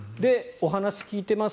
お話を聞いています